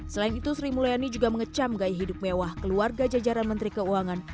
selain itu sri mulyani juga mengecam gaya hidup mewah keluarga jajaran menteri keuangan